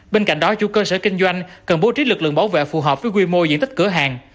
bên cạnh đó chủ cơ sở kinh doanh cần bố trí lực lượng bảo vệ phù hợp với quy mô diện tích cửa hàng